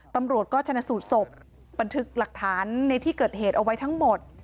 ตำรวจก็ชนะสูตรศพบันทึกหลักฐานในที่เกิดเหตุเอาไว้ทั้งหมด